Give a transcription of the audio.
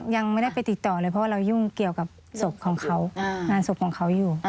ยังไม่ได้ไปติดต่อเลยเพราะว่าเรายุ่งเกี่ยวกับศพของเขางานศพของเขาอยู่